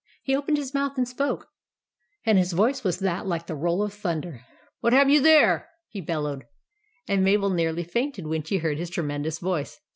He opened his mouth and spoke; and his voice was like the roll of thunder. "WHAT HAVE YOU THERE?" he bellowed; and Mabel nearly fainted when she heard his tremendous voice.